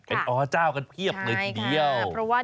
เป็นอเจ้ากันเพียบเลยทีเดียว